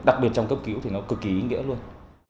đặc biệt trong cấp cứu thì nó cực kỳ ý nghĩa luôn